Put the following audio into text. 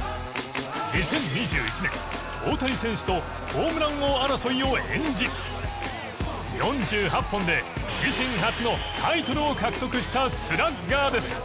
２０２１年大谷選手とホームラン王争いを演じ４８本で自身初のタイトルを獲得したスラッガーです。